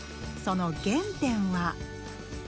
その原点は。